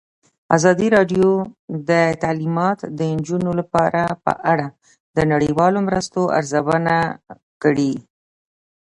ازادي راډیو د تعلیمات د نجونو لپاره په اړه د نړیوالو مرستو ارزونه کړې.